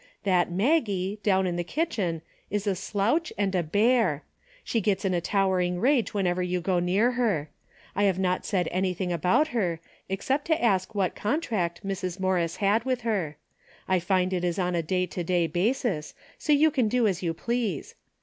That Maggie, down in the kitchen, is a slouch and a bear. She gets in a towering rage when ever you go near her. I have not said any thing about her, except to ask what contract Mrs. Morris had with her. I find it is on a day to day basis, so you can do as you please.